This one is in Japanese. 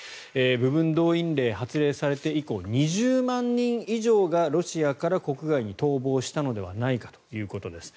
部分動員令発令されて以降２０万人以上がロシアから国外に逃亡したのではないかということです。